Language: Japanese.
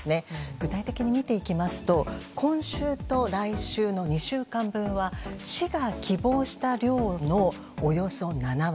具体的に見ていきますと今週と来週の２週間分は市が希望した量のおよそ７割。